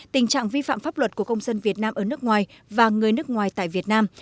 tình trạng vi phạm pháp luật của công dân việt nam ở nước ngoài và người nước ngoài tại việt nam